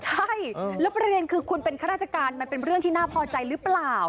ใช่แล้วประเด็นคือคุณเป็นข้าราชการมันเป็นเรื่องที่น่าพอใจหรือเปล่า